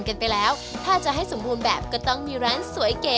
กันไปแล้วถ้าจะให้สมบูรณ์แบบก็ต้องมีร้านสวยเก๋